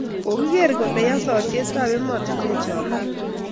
kokikeer kole ya sosyetab emetunwecho oeng'.